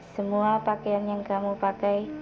semua pakaian yang kamu pakai